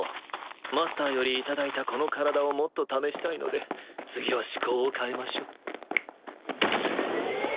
マスターより頂いたこの体をもっと試したいので次は趣向を変えましょう。